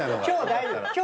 今日大丈夫。